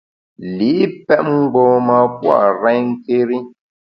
Li’ pèt mgbom-a pua’ renké́ri.